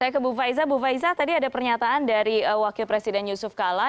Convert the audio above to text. saya ke bu faiza bu faiza tadi ada pernyataan dari wakil presiden yusuf kala